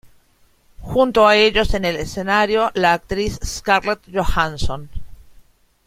Junto a ellos en el escenario la actriz Scarlett Johansson.